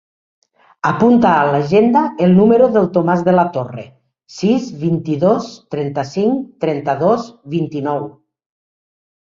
Apunta a l'agenda el número del Tomàs De La Torre: sis, vint-i-dos, trenta-cinc, trenta-dos, vint-i-nou.